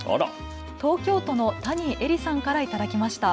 東京都の谷恵里さんから頂きました。